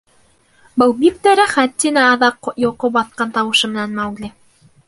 — Был бик тә рәхәт, — тине аҙаҡ йоҡо баҫҡан тауышы менән Маугли.